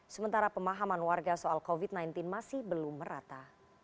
sementara pemahaman warga soal covid sembilan belas masih belum merata